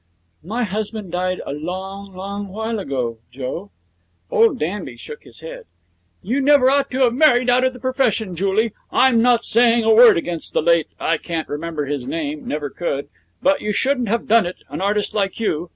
'My husband died a long, long while ago, Joe.' Old Danby shook his head. 'You never ought to have married out of the profession, Julie. I'm not saying a word against the late I can't remember his name; never could but you shouldn't have done it, an artist like you.